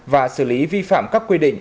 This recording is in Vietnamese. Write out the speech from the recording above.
và xử lý vi phạm các quy định